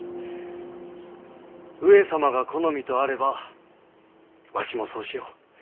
上様が好みとあればわしもそうしよう。